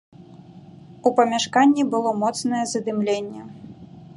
У памяшканні было моцнае задымленне.